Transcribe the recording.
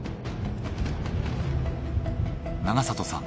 永里さん